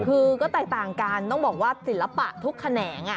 คือก็แตกต่างกันต้องบอกว่าศิลปะทุกแขนง